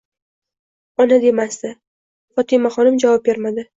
Ona demasdi. Fotimaxonim javob bermadi.